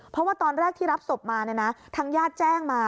เพราะว่าตอนแรกที่รับศพมาทางญาติแจ้งมา